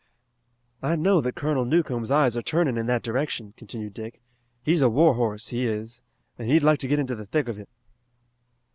"I know that Colonel Newcomb's eyes are turning in that direction," continued Dick. "He's a war horse, he is, and he'd like to get into the thick of it."